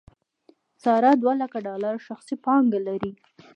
ساره دولکه ډالر شخصي پانګه لري.